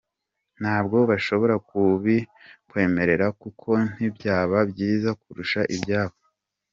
Ntabwo bashobora kubikwemerera kuko ntibyaba byiza kurusha ibyabo.